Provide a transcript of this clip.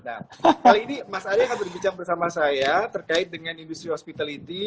nah kali ini mas ari akan berbicara bersama saya terkait dengan industri hospitality